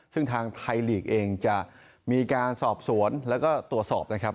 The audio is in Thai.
ซึ่งทางไทยลีกเองจะมีการสอบสวนแล้วก็ตรวจสอบนะครับ